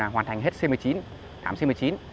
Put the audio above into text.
hoàn thành hết c một mươi chín tám c một mươi chín